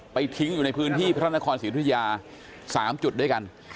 ทิ้งอยู่ในพื้นที่พระนครศรีธุยา๓จุดด้วยกัน